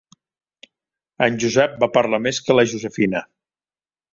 En Josep va parlar més que la Josefina.